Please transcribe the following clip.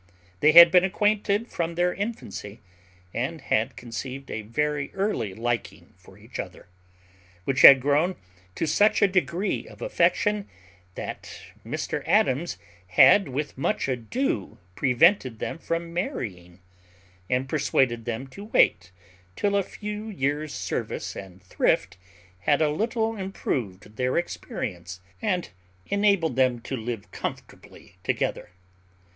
They had been acquainted from their infancy, and had conceived a very early liking for each other; which had grown to such a degree of affection, that Mr Adams had with much ado prevented them from marrying, and persuaded them to wait till a few years' service and thrift had a little improved their experience, and enabled them to live comfortably together.